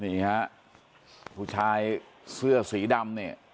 นี่ฮะผู้ชายเสื้อสีดำเนี่ย